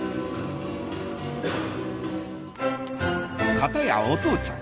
片やお父ちゃん